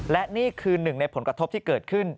และนี่คือหนึ่งในผลกระทบที่เกิดขึ้น